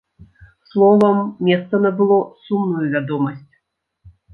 Словам, месца набыло сумную вядомасць.